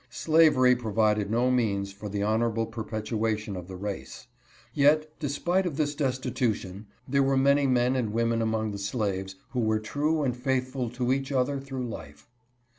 Slavery provided no means for the honorable perpetua tion of the race. Yet, despite of this destitution, there were many men and women among the slaves who were true and faithful to each other through life.